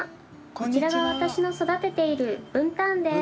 こちらが私の育てているブンタンです。